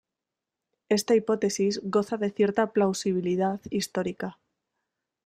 Esta hipótesis goza de cierta plausibilidad histórica.